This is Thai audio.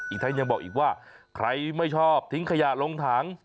อีกทั้งยังบอกอีกว่าใครไม่ชอบทิ้งขยะลงถัง